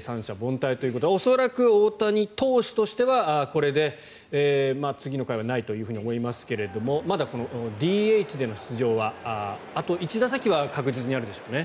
三者凡退ということは恐らく、大谷投手としてはこれで次の回はないと思いますけれどもまだＤＨでの出場はあと１打席は確実にあるでしょうね。